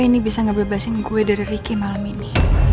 agak any bisa ngebebasin gue dari riki malem ini